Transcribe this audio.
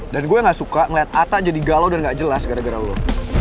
dan gue nggak suka ngeliat atta jadi galau dan nggak jelas gara gara lo